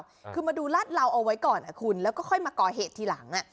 คือมาดูรัดเราเอาไว้ก่อนคุณแล้วค่อยมาก่อเหตุทีหลัง